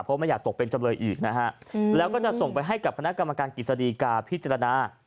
เพราะไม่อยากตกเป็นจำเลยอีกนะฮะแล้วก็จะส่งไปให้กับคณะกรรมการกิจสดีกาพิจารณา